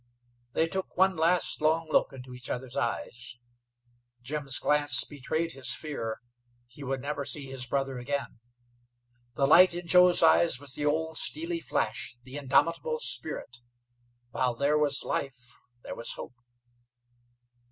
They took one last, long look into each others' eyes. Jim's glance betrayed his fear he would never see his brother again. The light in Joe's eyes was the old steely flash, the indomitable spirit while there was life there was hope.